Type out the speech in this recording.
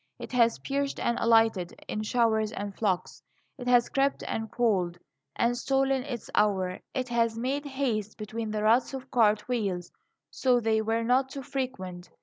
It has perched and alighted in showers and flocks. It has crept and crawled, and stolen its hour. It has made haste between the ruts of cart wheels, so they were not too frequent.